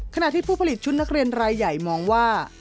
ขณะที่ผู้ผลิตชุดนักเรียนรายใหญ่มองว่า